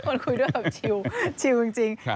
คนคุยด้วยชิลชิลจริง